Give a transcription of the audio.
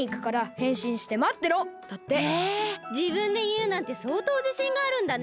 へえじぶんでいうなんてそうとうじしんがあるんだね。